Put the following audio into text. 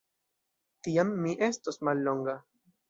Tiam mi estos mallonga.